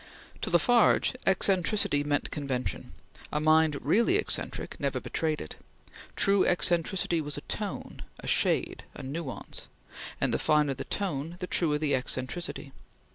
To La Farge, eccentricity meant convention; a mind really eccentric never betrayed it. True eccentricity was a tone a shade a nuance and the finer the tone, the truer the eccentricity.